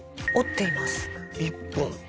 １本？